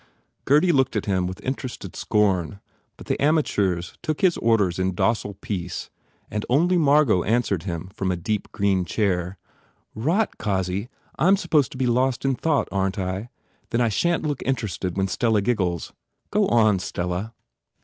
Gurdy looked at him with interested scorn but the amateurs took his orders in docile peace and only Margot answered him from a deep green chair, "Rot, Cossy! I m supposed to be lost in thought, aren t I? Then I shan t look interested when Stella giggles. Go on, Stella."